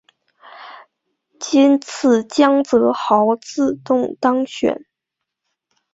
今次江泽濠自动当选。